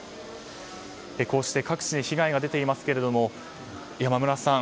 こうした各地で被害が出ていますが山村さん